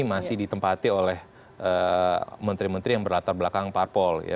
masih ditempati oleh menteri menteri yang berlatar belakang parpol